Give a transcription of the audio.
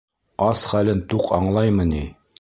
Ас хәлен туҡ аңлаймы ни?